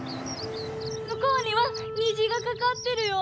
むこうにはにじがかかってるよ！